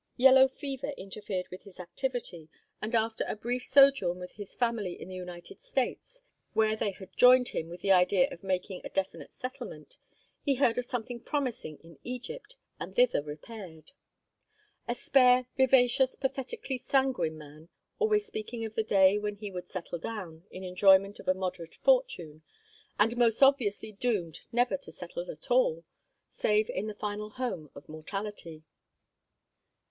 Yellow fever interfered with his activity, and after a brief sojourn with his family in the United States, where they had joined him with the idea of making a definite settlement, he heard of something promising in Egypt, and thither repaired. A spare, vivacious, pathetically sanguine man, always speaking of the day when he would "settle down" in enjoyment of a moderate fortune, and most obviously doomed never to settle at all, save in the final home of mortality.